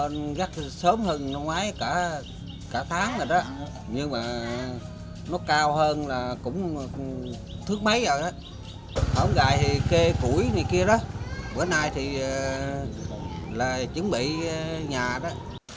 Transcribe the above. nó cao hơn là cũng thước mấy rồi đó hổng gài thì kê củi này kia đó bữa nay thì là chuẩn bị nhà đó